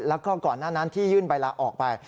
แล้วก็ก่อนหน้านั้นที่ยื่นใบลาออกไป